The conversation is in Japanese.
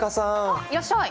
あっいらっしゃい！